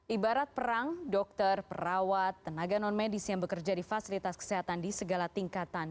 ibarat perang dokter perawat tenaga non medis yang bekerja di fasilitas kesehatan di segala tingkatan